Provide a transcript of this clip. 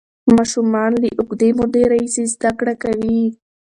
ماشومان له اوږدې مودې راهیسې زده کړه کوي.